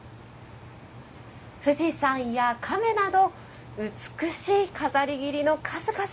富士山や亀など美しい飾り切りの数々。